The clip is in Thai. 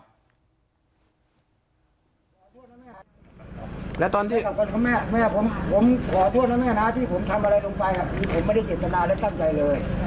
ขอโทษนะแม่ที่ผมทำอะไรตรงไปผมไม่ได้เจ็บจำนาอะไรตั้งใจเลย